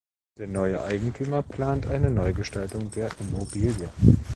Der neue Eigentümer plant eine Neugestaltung der Immobilie.